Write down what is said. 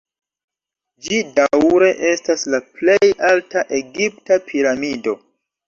Ĝi daŭre estas la plej alta egipta piramido.